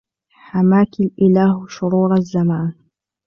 حَمَاكِ الْإِلَهُ شُرُورَ الزَّمَان